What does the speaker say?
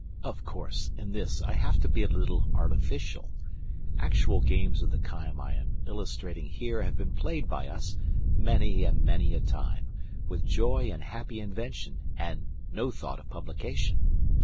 Of course, in this I have to be a little artificial. Actual games of the kind I am illustrating here have been played by us, many and many a time, with joy and happy invention and no thought of publication.